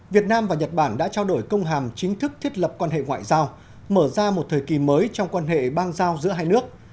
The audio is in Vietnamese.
việt nam và nhật bản đã trao đổi công hàm chính thức thiết lập quan hệ ngoại giao mở ra một thời kỳ mới trong quan hệ bang giao giữa hai nước